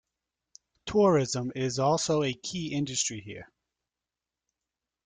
Tourism is also a key industry here.